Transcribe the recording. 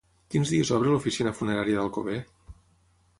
Quins dies obre l'oficina funerària d'Alcover?